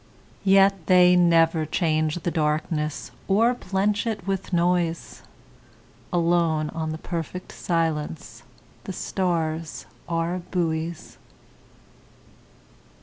Yet they never change the darknessOr blench it with noise; Alone on the perfect silenceThe stars are buoys.